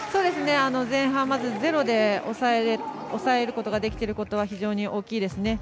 前半まずゼロで抑えることができているのは非常に大きいですね。